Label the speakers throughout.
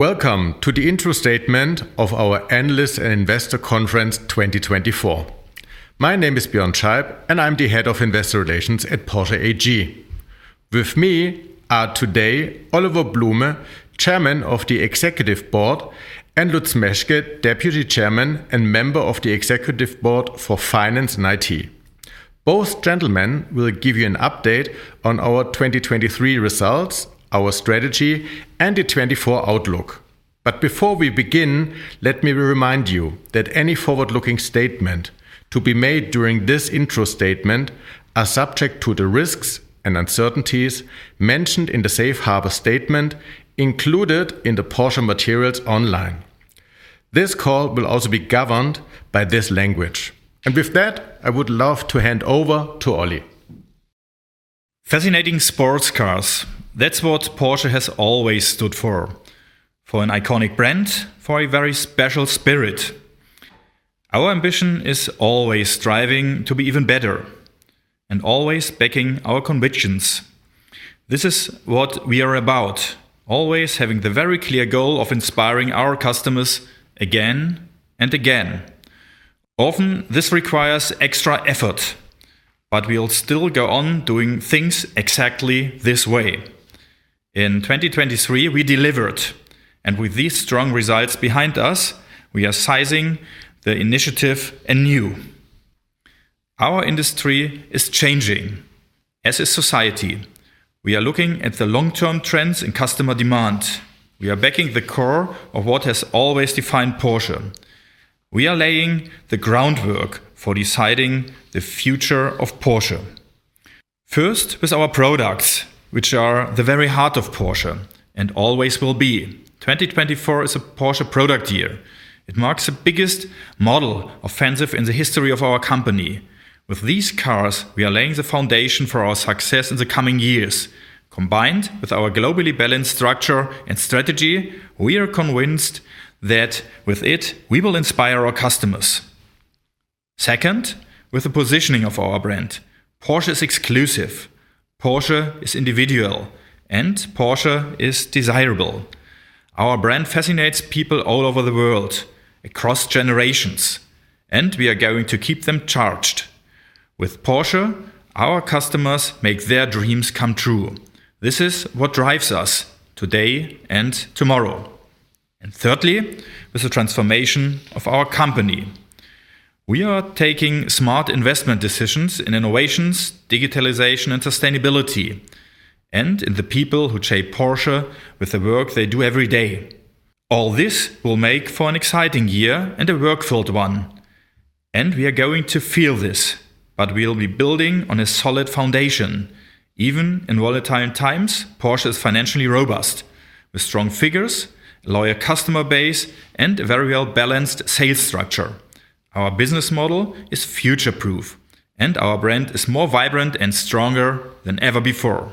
Speaker 1: Welcome to the intro statement of our Analyst and Investor Conference 2024. My name is Björn Scheib and I'm the Head of Investor Relations at Porsche AG. With me are today Oliver Blume, Chairman of the Executive Board, and Lutz Meschke, Deputy Chairman and Member of the Executive Board for Finance and IT. Both gentlemen will give you an update on our 2023 results, our strategy, and the 2024 outlook. But before we begin, let me remind you that any forward-looking statement to be made during this intro statement is subject to the risks and uncertainties mentioned in the Safe Harbor Statement included in the Porsche Materials Online. This call will also be governed by this language. And with that, I would love to hand over to Olli.
Speaker 2: Fascinating sports cars-that's what Porsche has always stood for. For an iconic brand, for a very special spirit. Our ambition is always striving to be even better, and always backing our convictions. This is what we are about: always having the very clear goal of inspiring our customers again and again. Often this requires extra effort, but we'll still go on doing things exactly this way. In 2023 we delivered, and with these strong results behind us, we are seizing the initiative anew. Our industry is changing, as is society. We are looking at the long-term trends in customer demand. We are backing the core of what has always defined Porsche. We are laying the groundwork for deciding the future of Porsche. First with our products, which are the very heart of Porsche and always will be. 2024 is a Porsche product year. It marks the biggest model offensive in the history of our company. With these cars we are laying the foundation for our success in the coming years. Combined with our globally balanced structure and strategy, we are convinced that with it we will inspire our customers. Second, with the positioning of our brand: Porsche is exclusive. Porsche is individual. And Porsche is desirable. Our brand fascinates people all over the world, across generations, and we are going to keep them charged. With Porsche, our customers make their dreams come true. This is what drives us today and tomorrow. And thirdly, with the transformation of our company: we are taking smart investment decisions in innovations, digitalization, and sustainability, and in the people who shape Porsche with the work they do every day. All this will make for an exciting year and a work-filled one. We are going to feel this, but we'll be building on a solid foundation. Even in volatile times, Porsche is financially robust, with strong figures, a loyal customer base, and a very well-balanced sales structure. Our business model is future-proof, and our brand is more vibrant and stronger than ever before.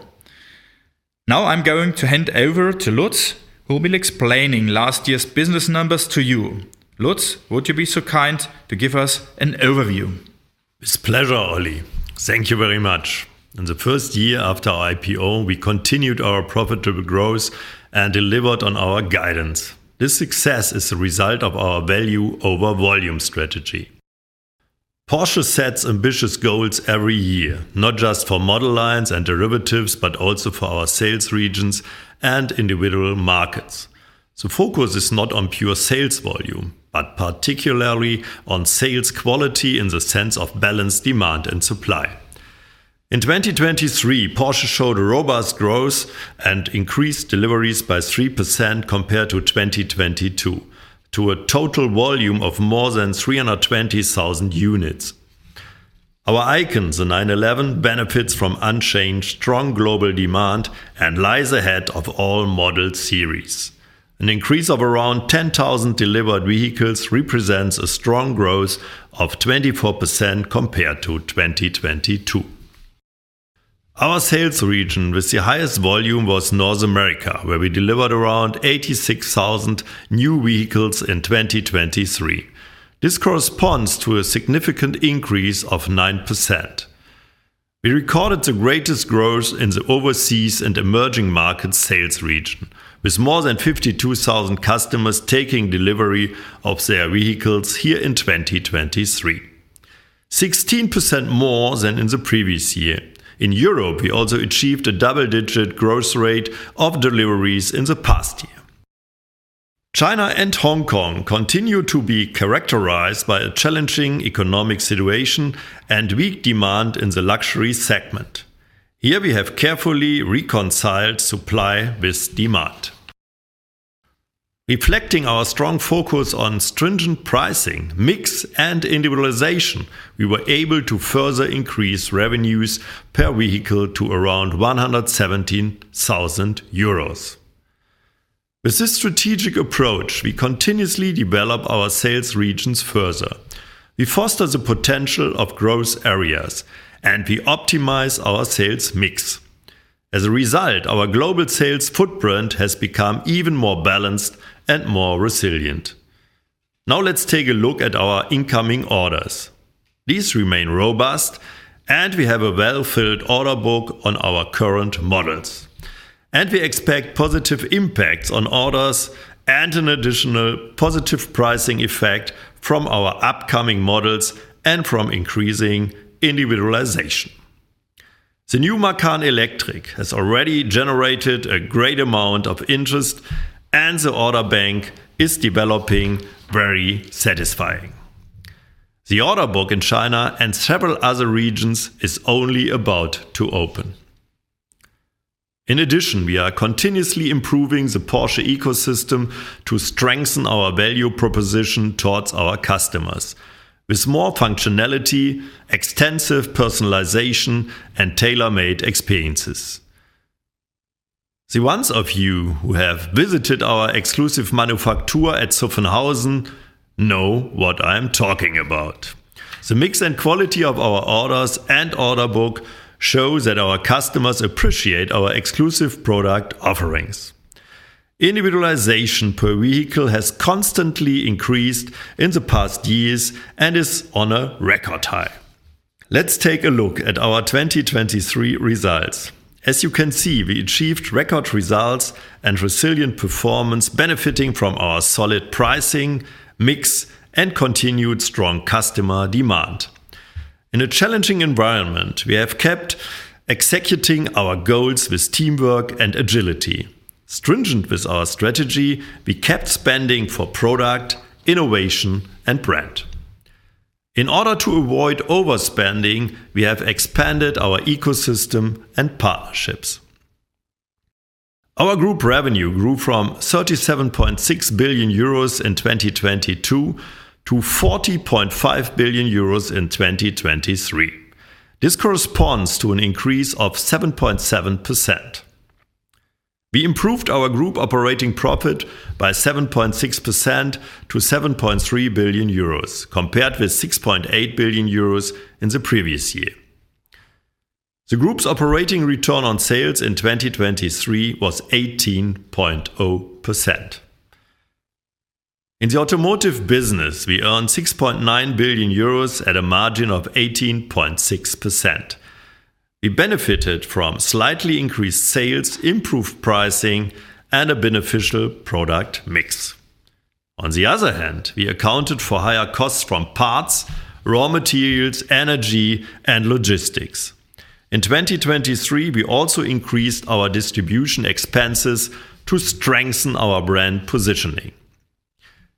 Speaker 2: Now I'm going to hand over to Lutz, who will be explaining last year's business numbers to you. Lutz, would you be so kind to give us an overview?
Speaker 3: With pleasure, Olli. Thank you very much. In the first year after our IPO, we continued our profitable growth and delivered on our guidance. This success is the result of our Value-over-Volume strategy. Porsche sets ambitious goals every year, not just for model lines and derivatives, but also for our sales regions and individual markets. The focus is not on pure sales volume, but particularly on sales quality in the sense of balanced demand and supply. In 2023, Porsche showed robust growth and increased deliveries by 3% compared to 2022, to a total volume of more than 320,000 units. Our icon, the 911, benefits from unchanged strong global demand and lies ahead of all model series. An increase of around 10,000 delivered vehicles represents a strong growth of 24% compared to 2022. Our sales region with the highest volume was North America, where we delivered around 86,000 new vehicles in 2023. This corresponds to a significant increase of 9%. We recorded the greatest growth in the Overseas and Emerging Markets sales region, with more than 52,000 customers taking delivery of their vehicles here in 2023, 16% more than in the previous year. In Europe, we also achieved a double-digit growth rate of deliveries in the past year. China and Hong Kong continue to be characterized by a challenging economic situation and weak demand in the luxury segment. Here we have carefully reconciled supply with demand. Reflecting our strong focus on stringent pricing, mix, and individualization, we were able to further increase revenues per vehicle to around 117,000 euros. With this strategic approach, we continuously develop our sales regions further. We foster the potential of growth areas, and we optimize our sales mix. As a result, our global sales footprint has become even more balanced and more resilient. Now let's take a look at our incoming orders. These remain robust, and we have a well-filled order book on our current models. We expect positive impacts on orders and an additional positive pricing effect from our upcoming models and from increasing individualization. The new Macan Electric has already generated a great amount of interest, and the order bank is developing very satisfying. The order book in China and several other regions is only about to open. In addition, we are continuously improving the Porsche ecosystem to strengthen our value proposition towards our customers, with more functionality, extensive personalization, and tailor-made experiences. The ones of you who have visited our Exclusive Manufaktur at Zuffenhausen know what I'm talking about. The mix and quality of our orders and order book shows that our customers appreciate our exclusive product offerings. Individualization per vehicle has constantly increased in the past years and is on a record high. Let's take a look at our 2023 results. As you can see, we achieved record results and resilient performance benefiting from our solid pricing, mix, and continued strong customer demand. In a challenging environment, we have kept executing our goals with teamwork and agility. Stringent with our strategy, we kept spending for product, innovation, and brand. In order to avoid overspending, we have expanded our ecosystem and partnerships. Our group revenue grew from 37.6 billion euros in 2022 to 40.5 billion euros in 2023. This corresponds to an increase of 7.7%. We improved our group operating profit by 7.6% to 7.3 billion euros, compared with 6.8 billion euros in the previous year. The group's operating return on sales in 2023 was 18.0%. In the automotive business, we earned 6.9 billion euros at a margin of 18.6%. We benefited from slightly increased sales, improved pricing, and a beneficial product mix. On the other hand, we accounted for higher costs from parts, raw materials, energy, and logistics. In 2023, we also increased our distribution expenses to strengthen our brand positioning.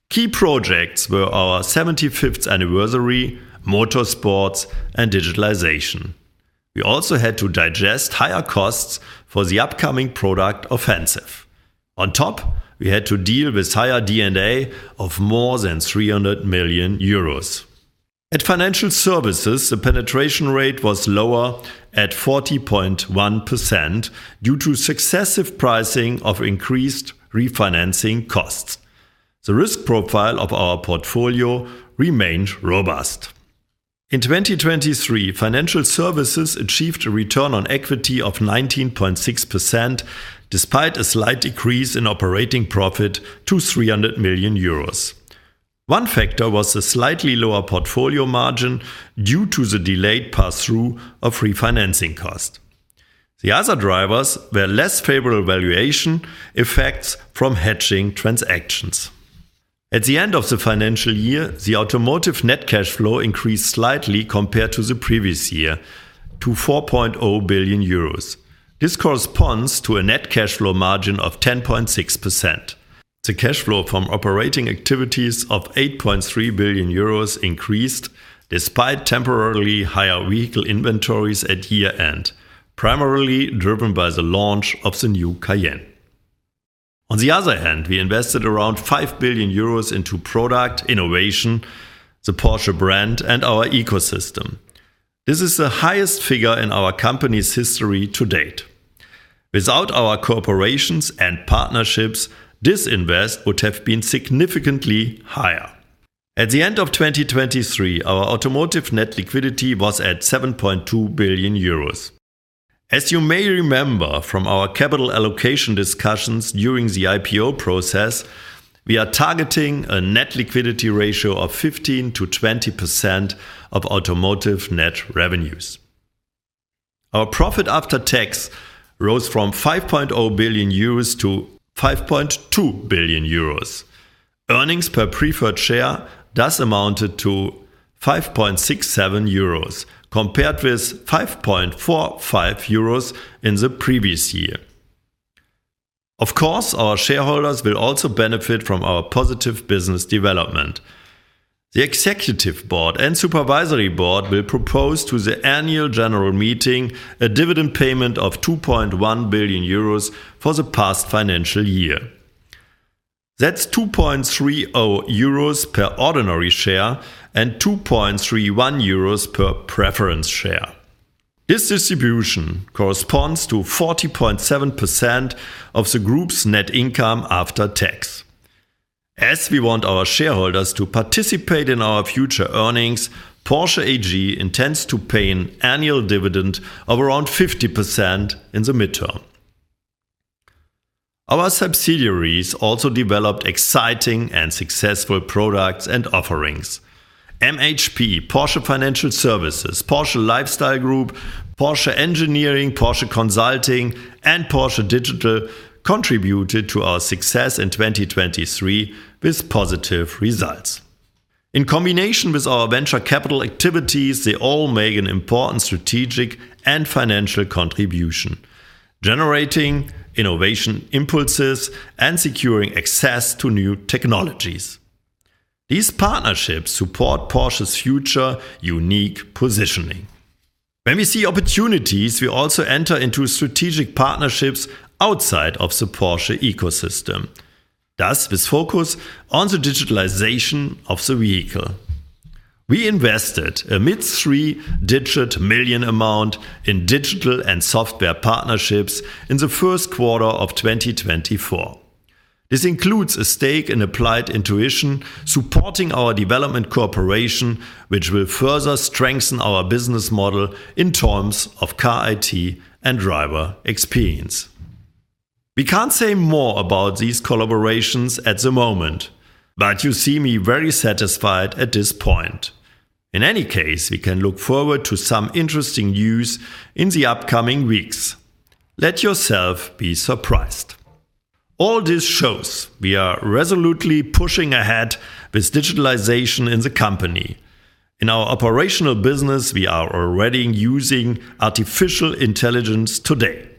Speaker 3: Key projects were our 75th anniversary, motorsports, and digitalization. We also had to digest higher costs for the upcoming product offensive. On top, we had to deal with higher D&A of more than 300 million euros. At Financial Services, the penetration rate was lower at 40.1% due to successive pricing of increased refinancing costs. The risk profile of our portfolio remained robust. In 2023, Financial Services achieved a return on equity of 19.6% despite a slight decrease in operating profit to 300 million euros. One factor was the slightly lower portfolio margin due to the delayed pass-through of refinancing costs. The other drivers were less favorable valuation effects from hedging transactions. At the end of the financial year, the automotive net cash flow increased slightly compared to the previous year to 4.0 billion euros. This corresponds to a net cash flow margin of 10.6%. The cash flow from operating activities of 8.3 billion euros increased despite temporarily higher vehicle inventories at year-end, primarily driven by the launch of the new Cayenne. On the other hand, we invested around 5 billion euros into product, innovation, the Porsche brand, and our ecosystem. This is the highest figure in our company's history to date. Without our cooperations and partnerships, this investment would have been significantly higher. At the end of 2023, our automotive net liquidity was at 7.2 billion euros. As you may remember from our capital allocation discussions during the IPO process, we are targeting a net liquidity ratio of 15%-20% of automotive net revenues. Our profit after tax rose from 5.0 billion euros to 5.2 billion euros. Earnings per preferred share thus amounted to 5.67 euros, compared with 5.45 euros in the previous year. Of course, our shareholders will also benefit from our positive business development. The executive board and supervisory board will propose to the annual general meeting a dividend payment of 2.1 billion euros for the past financial year. That's 2.30 euros per ordinary share and 2.31 euros per preference share. This distribution corresponds to 40.7% of the group's net income after tax. As we want our shareholders to participate in our future earnings, Porsche AG intends to pay an annual dividend of around 50% in the midterm. Our subsidiaries also developed exciting and successful products and offerings. MHP, Porsche Financial Services, Porsche Lifestyle Group, Porsche Engineering, Porsche Consulting, and Porsche Digital contributed to our success in 2023 with positive results. In combination with our venture capital activities, they all make an important strategic and financial contribution, generating innovation impulses and securing access to new technologies. These partnerships support Porsche's future unique positioning. When we see opportunities, we also enter into strategic partnerships outside of the Porsche ecosystem, thus with focus on the digitalization of the vehicle. We invested a mid-three-digit million EUR amount in digital and software partnerships in the first quarter of 2024. This includes a stake in Applied Intuition supporting our development cooperation, which will further strengthen our business model in terms of Car-IT and driver experience. We can't say more about these collaborations at the moment, but you see me very satisfied at this point. In any case, we can look forward to some interesting news in the upcoming weeks. Let yourself be surprised! All this shows: We are resolutely pushing ahead with digitalization in the company. In our operational business, we are already using artificial intelligence today,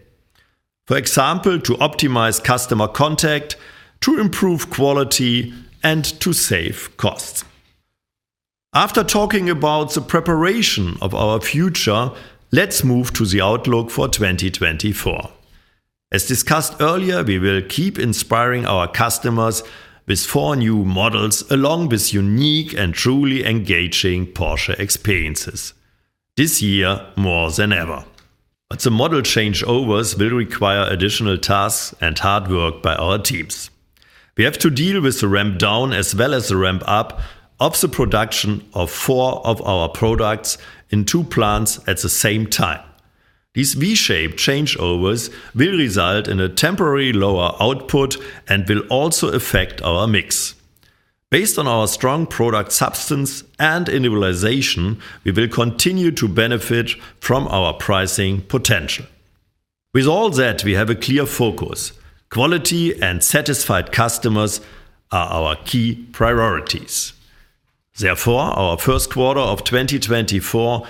Speaker 3: for example, to optimize customer contact, to improve quality, and to save costs. After talking about the preparation of our future, let's move to the outlook for 2024. As discussed earlier, we will keep inspiring our customers with four new models along with unique and truly engaging Porsche experiences. This year, more than ever. But the model changeovers will require additional tasks and hard work by our teams. We have to deal with the ramp-down as well as the ramp-up of the production of four of our products in two plants at the same time. These V-shaped changeovers will result in a temporary lower output and will also affect our mix. Based on our strong product substance and individualization, we will continue to benefit from our pricing potential. With all that, we have a clear focus: Quality and satisfied customers are our key priorities. Therefore, our first quarter of 2024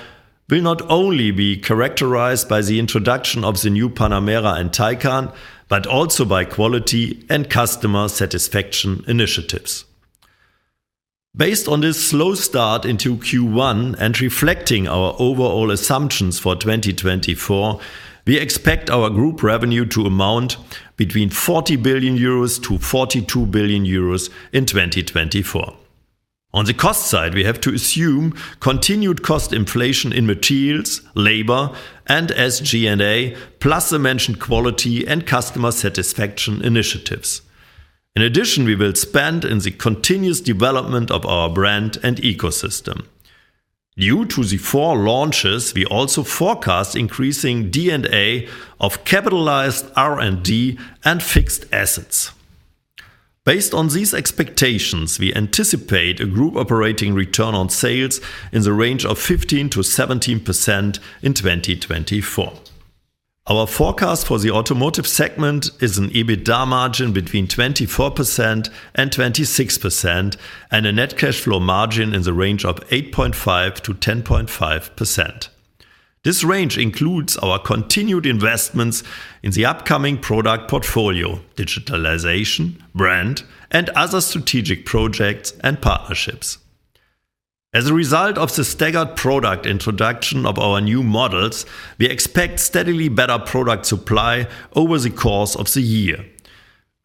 Speaker 3: will not only be characterized by the introduction of the new Panamera and Taycan, but also by quality and customer satisfaction initiatives. Based on this slow start into Q1 and reflecting our overall assumptions for 2024, we expect our group revenue to amount between 40 billion-42 billion euros in 2024. On the cost side, we have to assume continued cost inflation in materials, labor, and SG&A, plus the mentioned quality and customer satisfaction initiatives. In addition, we will spend in the continuous development of our brand and ecosystem. Due to the four launches, we also forecast increasing D&A of capitalized R&D and fixed assets. Based on these expectations, we anticipate a group operating return on sales in the range of 15%-17% in 2024. Our forecast for the automotive segment is an EBITDA margin between 24%-26% and a net cash flow margin in the range of 8.5%-10.5%. This range includes our continued investments in the upcoming product portfolio, digitalization, brand, and other strategic projects and partnerships. As a result of the staggered product introduction of our new models, we expect steadily better product supply over the course of the year.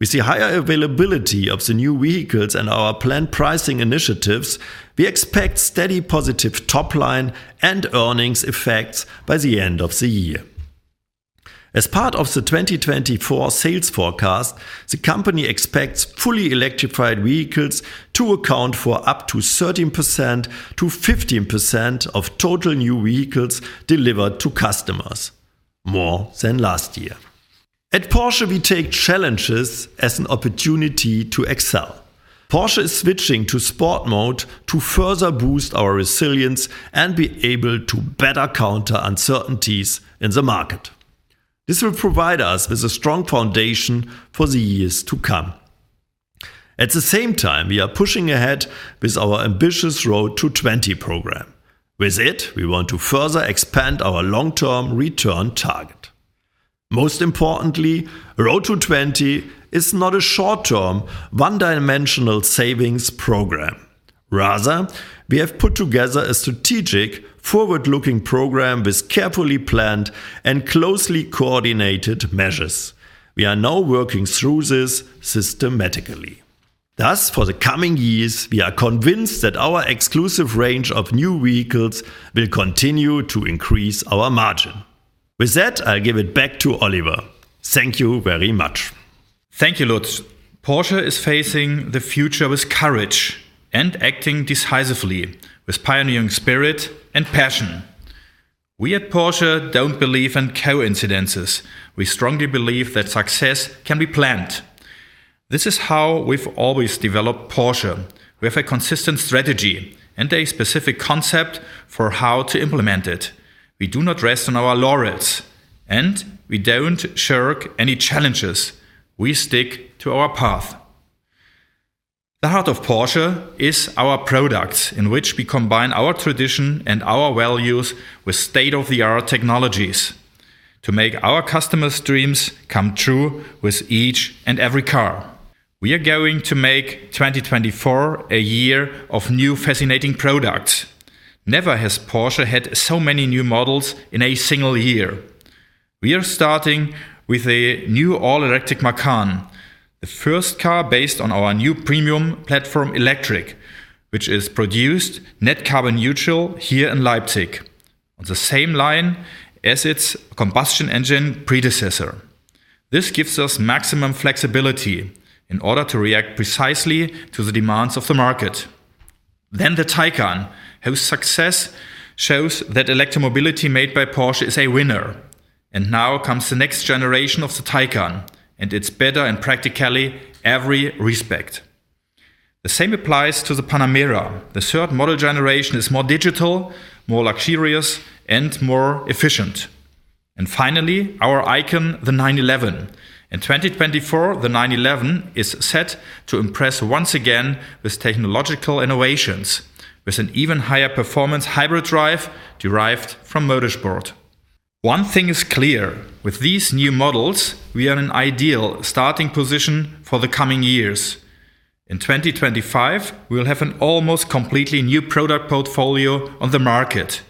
Speaker 3: With the higher availability of the new vehicles and our planned pricing initiatives, we expect steady positive topline and earnings effects by the end of the year. As part of the 2024 sales forecast, the company expects fully electrified vehicles to account for up to 13%-15% of total new vehicles delivered to customers, more than last year. At Porsche, we take challenges as an opportunity to excel. Porsche is switching to sport mode to further boost our resilience and be able to better counter uncertainties in the market. This will provide us with a strong foundation for the years to come. At the same time, we are pushing ahead with our ambitious Road to 20 program. With it, we want to further expand our long-term return target. Most importantly, Road to 20 is not a short-term, one-dimensional savings program. Rather, we have put together a strategic, forward-looking program with carefully planned and closely coordinated measures. We are now working through this systematically. Thus, for the coming years, we are convinced that our exclusive range of new vehicles will continue to increase our margin. With that, I'll give it back to Oliver. Thank you very much!
Speaker 2: Thank you, Lutz. Porsche is facing the future with courage and acting decisively, with pioneering spirit and passion. We at Porsche don't believe in coincidences. We strongly believe that success can be planned. This is how we've always developed Porsche: we have a consistent strategy and a specific concept for how to implement it. We do not rest on our laurels. And we don't shirk any challenges. We stick to our path. The heart of Porsche is our products, in which we combine our tradition and our values with state-of-the-art technologies - to make our customers' dreams come true with each and every car. We are going to make 2024 a year of new, fascinating products. Never has Porsche had so many new models in a single year. We are starting with the new all-electric Macan - the first car based on our new Premium Platform Electric, which is produced net carbon neutral here in Leipzig, on the same line as its combustion engine predecessor. This gives us maximum flexibility in order to react precisely to the demands of the market. Then the Taycan, whose success shows that electromobility made by Porsche is a winner. And now comes the next generation of the Taycan, and it's better in practically every respect. The same applies to the Panamera. The third model generation is more digital, more luxurious, and more efficient. Finally, our icon, the 911. In 2024, the 911 is set to impress once again with technological innovations, with an even higher performance hybrid drive derived from motorsport. One thing is clear: with these new models, we are in an ideal starting position for the coming years. In 2025, we will have an almost completely new product portfolio on the market,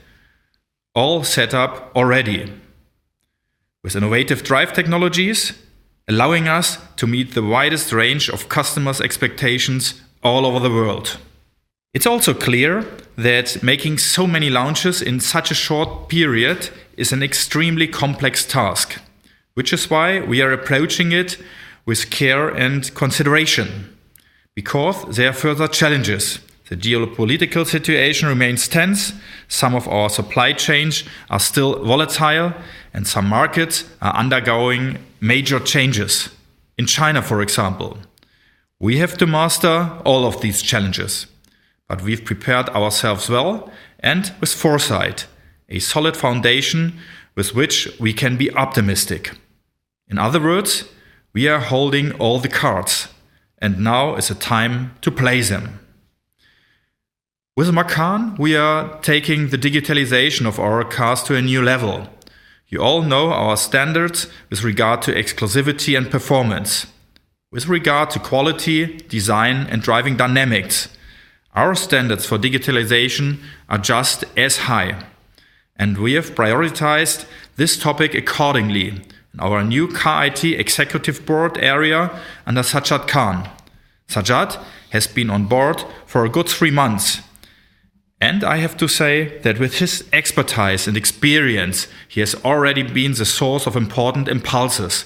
Speaker 2: all set up already, with innovative drive technologies allowing us to meet the widest range of customers' expectations all over the world. It's also clear that making so many launches in such a short period is an extremely complex task, which is why we are approaching it with care and consideration. Because there are further challenges: the geopolitical situation remains tense, some of our supply chains are still volatile, and some markets are undergoing major changes. In China, for example, we have to master all of these challenges. But we've prepared ourselves well and with foresight, a solid foundation with which we can be optimistic. In other words, we are holding all the cards, and now is the time to play them. With the Macan, we are taking the digitalization of our cars to a new level. You all know our standards with regard to exclusivity and performance. With regard to quality, design, and driving dynamics, our standards for digitalization are just as high. And we have prioritized this topic accordingly in our new Car-IT executive board area under Sajjad Khan. Sajjad has been on board for a good three months. And I have to say that with his expertise and experience, he has already been the source of important impulses,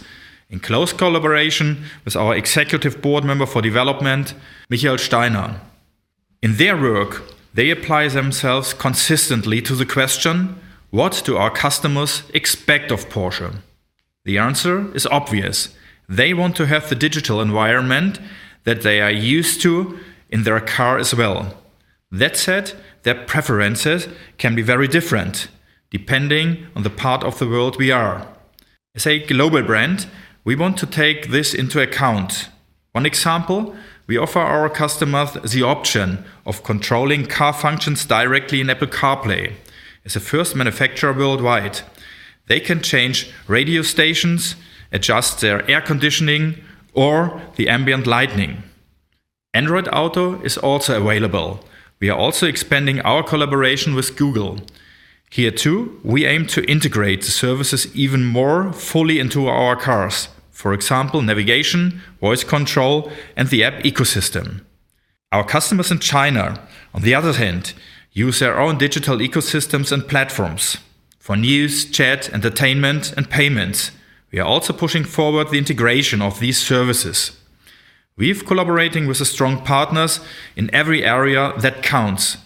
Speaker 2: in close collaboration with our executive board member for development, Michael Steiner. In their work, they apply themselves consistently to the question: What do our customers expect of Porsche? The answer is obvious: they want to have the digital environment that they are used to in their car as well. That said, their preferences can be very different, depending on the part of the world we are. As a global brand, we want to take this into account. One example: we offer our customers the option of controlling car functions directly in Apple CarPlay - as the first manufacturer worldwide. They can change radio stations, adjust their air conditioning, or the ambient lighting. Android Auto is also available. We are also expanding our collaboration with Google. Here too, we aim to integrate the services even more fully into our cars - for example, navigation, voice control, and the app ecosystem. Our customers in China, on the other hand, use their own digital ecosystems and platforms, for news, chat, entertainment, and payments. We are also pushing forward the integration of these services. We are collaborating with strong partners in every area that counts.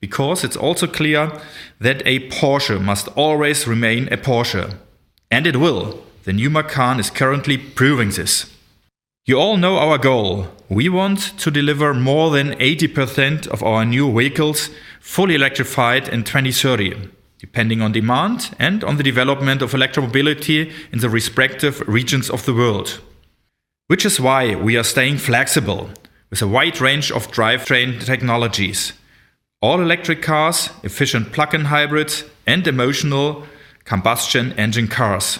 Speaker 2: Because it's also clear that a Porsche must always remain a Porsche. And it will. The new Macan is currently proving this. You all know our goal: we want to deliver more than 80% of our new vehicles fully electrified in 2030, depending on demand and on the development of electromobility in the respective regions of the world. Which is why we are staying flexible with a wide range of drivetrain technologies, all electric cars, efficient plug-in hybrids, and emotional combustion engine cars,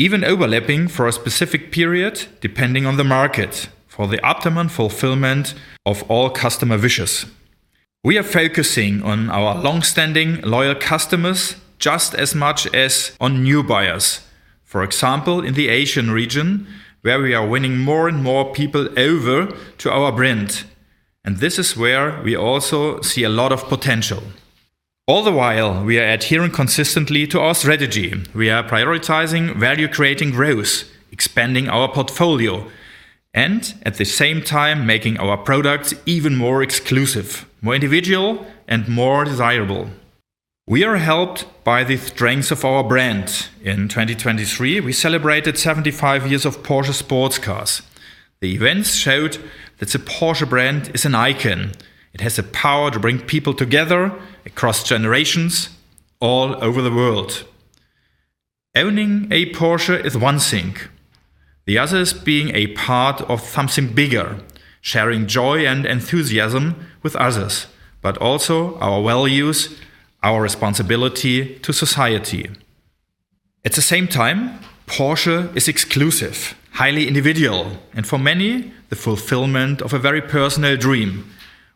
Speaker 2: even overlapping for a specific period, depending on the market, for the optimum fulfillment of all customer wishes. We are focusing on our longstanding, loyal customers just as much as on new buyers, for example, in the Asian region, where we are winning more and more people over to our brand. This is where we also see a lot of potential. All the while, we are adhering consistently to our strategy. We are prioritizing value-creating growth, expanding our portfolio, and at the same time making our products even more exclusive, more individual, and more desirable. We are helped by the strengths of our brand. In 2023, we celebrated 75 years of Porsche sports cars. The events showed that the Porsche brand is an icon. It has the power to bring people together across generations all over the world. Owning a Porsche is one thing. The other is being a part of something bigger, sharing joy and enthusiasm with others, but also our values, our responsibility to society. At the same time, Porsche is exclusive, highly individual, and for many, the fulfillment of a very personal dream.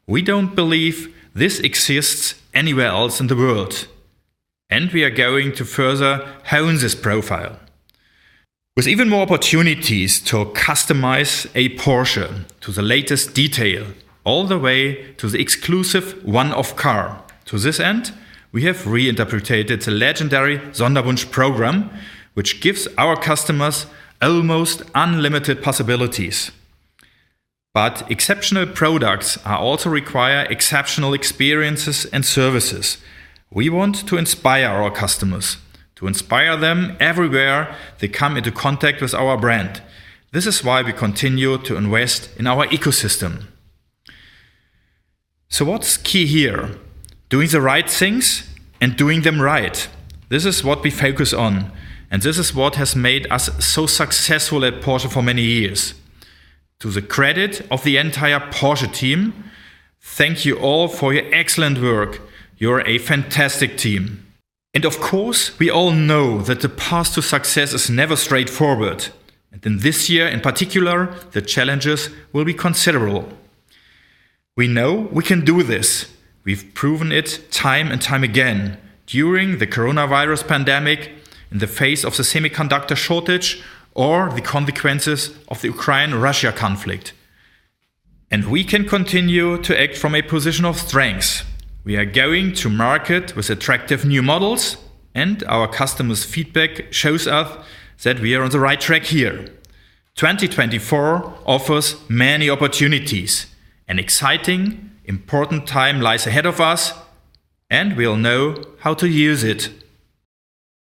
Speaker 2: We don't believe this exists anywhere else in the world. We are going to further hone this profile - with even more opportunities to customize a Porsche to the latest detail, all the way to the exclusive one-off car. To this end, we have reinterpreted the legendary Sonderwunsch program, which gives our customers almost unlimited possibilities. Exceptional products also require exceptional experiences and services. We want to inspire our customers - to inspire them everywhere they come into contact with our brand. This is why we continue to invest in our ecosystem. What's key here? Doing the right things and doing them right. This is what we focus on, and this is what has made us so successful at Porsche for many years. To the credit of the entire Porsche team: thank you all for your excellent work. You are a fantastic team. Of course, we all know that the path to success is never straightforward. In this year in particular, the challenges will be considerable. We know we can do this. We've proven it time and time again, during the coronavirus pandemic, in the face of the semiconductor shortage, or the consequences of the Ukraine-Russia conflict. We can continue to act from a position of strength. We are going to market with attractive new models, and our customers' feedback shows us that we are on the right track here. 2024 offers many opportunities. An exciting, important time lies ahead of us, and we'll know how to use it.